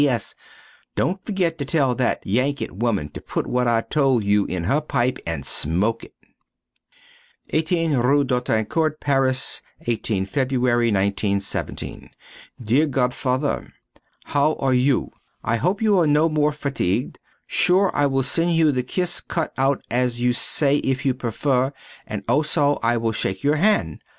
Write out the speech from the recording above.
P.S. Dont ferget to tell that Yanket woman to put what I told you in her pipe and smoke it. 18 rue d'Autancourt, Paris, 18 Feb. 1917. Dear Godfather: How are you? I hope you are no more fatigued. Very sure I will send you the kiss cut out as you say if you prefer. And also I will shake your hand.